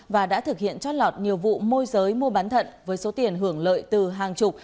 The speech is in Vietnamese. và đã thực hiện trót lọt nhiều vụ môi giới mua bán thận với số tiền hưởng lợi từ hàng chục